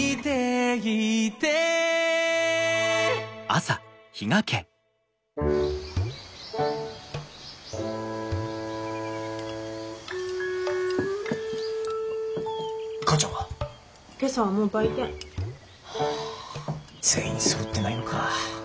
あ全員そろってないのか。